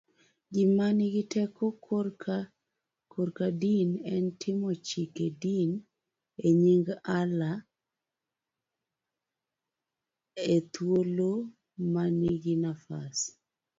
gima nigi teko korka din en timo chike din e nyingAllahethuolomaniginafas